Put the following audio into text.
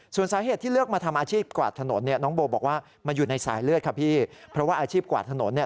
เพราะว่าอาชีพกวาดถนนเนี่ย